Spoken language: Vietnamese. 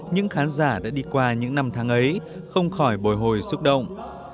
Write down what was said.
những khán giả đã đi qua những năm tháng ấy không khỏi bồi hồi xúc động